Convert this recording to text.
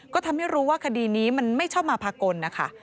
ก็ทำให้รู้ว่าคดีนี้มันไม่ชอบมาพากลนะคะ